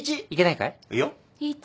いけないかい？